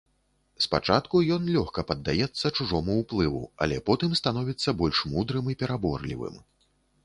Спачатку ён лёгка паддаецца чужому ўплыву, але потым становіцца больш мудрым і пераборлівым.